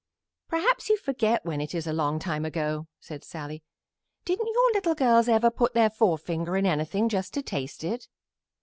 "Perhaps you forget when it is a long time ago," said Sallie. "Didn't your little girls ever put their forefinger in anything just to taste it?"